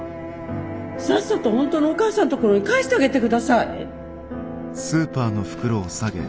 さっさと本当のお母さんところに返してあげて下さい！